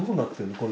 これ。